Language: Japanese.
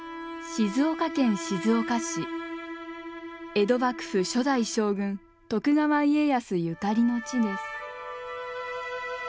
江戸幕府初代将軍徳川家康ゆかりの地です。